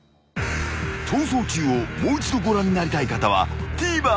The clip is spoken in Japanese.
［『逃走中』をもう一度ご覧になりたい方はＴＶｅｒで］